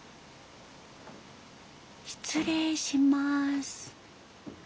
失礼します。